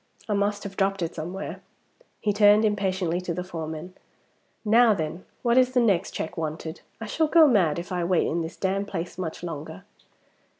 "I must have dropped it somewhere." He turned impatiently to the foreman, "Now then! What is the next check wanted? I shall go mad if I wait in this damned place much longer!"